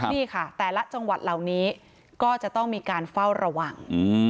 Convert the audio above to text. นี่ค่ะแต่ละจังหวัดเหล่านี้ก็จะต้องมีการเฝ้าระวัง